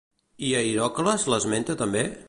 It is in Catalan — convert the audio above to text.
I Hièrocles l'esmenta també?